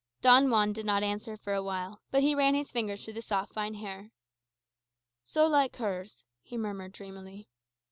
Don Juan did not answer for a while; but he ran his fingers through the soft fine hair. "So like hers," he murmured dreamily.